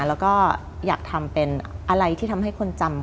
แล้วก็อยากทำเป็นอะไรที่ทำให้คนจำ